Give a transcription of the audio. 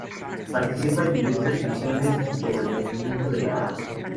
Participa en diversas misiones en mantenimiento de la paz.